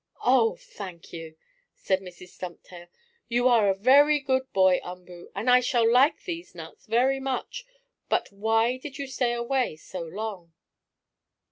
"Oh, thank you!" said Mrs. Stumptail. "You are a very good boy, Umboo, and I shall like these nuts very much. But why did you stay away so long?"